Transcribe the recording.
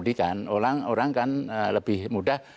jadi kan orang orang kan lebih mudah